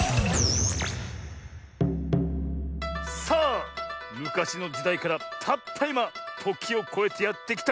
さあむかしのじだいからたったいまときをこえてやってきたこれ。